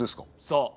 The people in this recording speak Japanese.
そう。